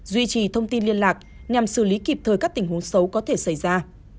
duy trì thông tin liên lạc nhằm xử lý kịp thời các tình huống xấu có thể xảy ra